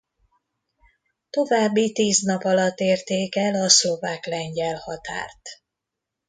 További tíz nap alatt érték el a szlovák–lengyel határt.